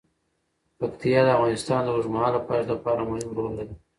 پکتیا د افغانستان د اوږدمهاله پایښت لپاره مهم رول لري.